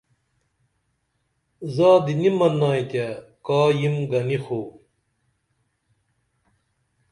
زادی نی من نائی تیہ کا یم گنی خو